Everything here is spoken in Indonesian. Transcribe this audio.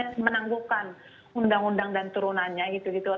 untuk melakukan undang undang dan turunannya gitu gitu